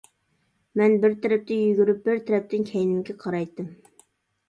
مەن بىر تەرەپتىن يۈگۈرۈپ بىر تەرەپتىن كەينىمگە قارايتتىم.